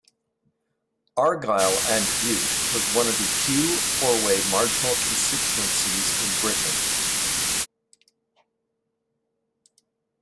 Argyll and Bute was one of the few four-way marginal constituencies in Britain.